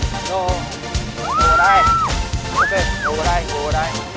rồi chạy đây chạy đây chạy đây